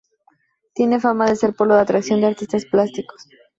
Tiene fama de ser polo de atracción de artistas plásticos.